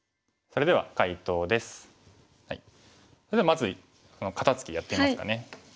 それではまず肩ツキやってみますかね。